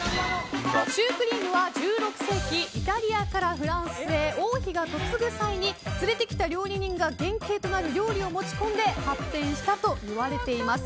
シュークリームは１６世紀イタリアからフランスへ王妃がとつぐ際に連れてきた料理人が原型となる料理を持ち込んで発展したといわれています。